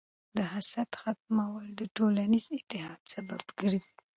د حسد ختمول د ټولنیز اتحاد سبب ګرځي.